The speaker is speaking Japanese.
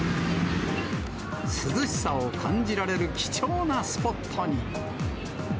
涼しさを感じられる貴重なスポットに。